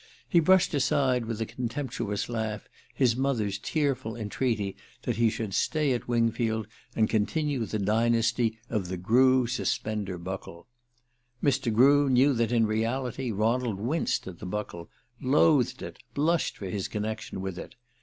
He brushed aside with a contemptuous laugh his mother's tearful entreaty that he should stay at Wingfield and continue the dynasty of the Grew Suspender Buckle. Mr. Grew knew that in reality Ronald winced at the Buckle, loathed it, blushed for his connection with it.